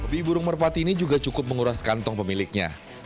hobi burung merpati ini juga cukup menguras kantong pemiliknya